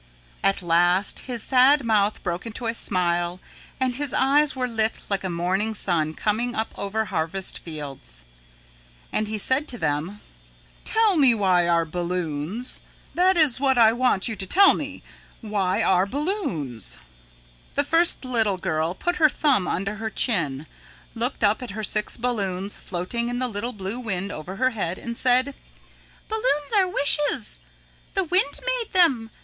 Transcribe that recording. At last his sad mouth broke into a smile and his eyes were lit like a morning sun coming up over harvest fields. And he said to them, "Tell me why are balloons that is what I want you to tell me why are balloons?" The first little girl put her thumb under her chin, looked up at her six balloons floating in the little blue wind over her head, and said: "Balloons are wishes. The wind made them.